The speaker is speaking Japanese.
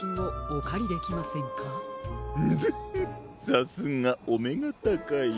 さすがおめがたかい。